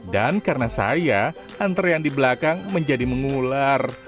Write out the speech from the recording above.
dan karena saya antre yang di belakang menjadi mengular